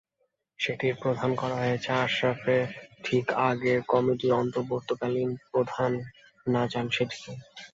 সেটির প্রধান করা হয়েছে আশরাফের ঠিক আগের কমিটির অন্তর্বর্তীকালীন প্রধান নাজাম শেঠিকে।